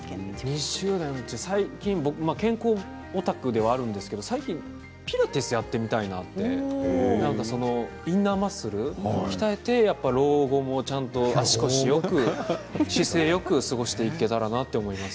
最近、僕、健康オタクではあるんですけれども最近ピラティスをやってみたいなとインナーマッスルを鍛えて老後、ちゃんと足腰よく姿勢よく過ごしていけたらなと思います。